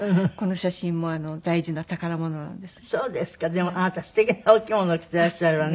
でもあなた素敵なお着物着てらっしゃるわね。